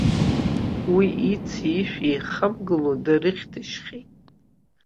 Уи ици-ишәи еихамгыло дарыхьҭышьхьеит.